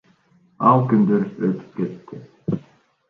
Ал күндөр өтүп кетти.